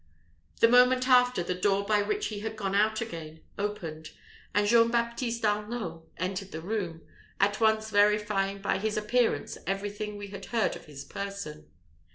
The moment after, the door by which he had gone out again opened, and Jean Baptiste Arnault entered the room, at once verifying by his appearance everything we had heard of his person.